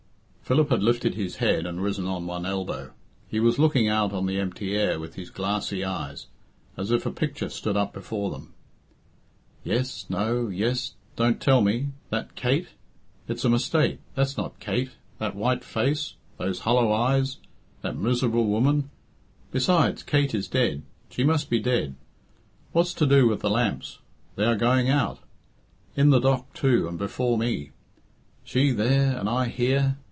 Philip had lifted his head and risen on one elbow. He was looking out on the empty air with his glassy eyes, as if a picture stood up before them. "Yes, no, yes don't tell me that Kate? it's a mistake that's not Kate that white face! those hollow eyes! that miserable woman! besides, Kate is dead she must be dead what's to do with the lamps? they are going out in the dock, too, and before me she there and I here!